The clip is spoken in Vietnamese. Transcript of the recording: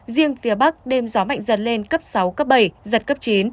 riêng phía bắc đêm gió mạnh dần lên cấp sáu cấp bảy giật cấp chín